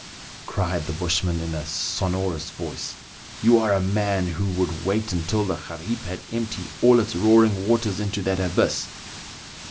" cried the bushman in a sonorous voice, " you are a man who would wait until the Gariep had emptied all its roaring waters into that abyss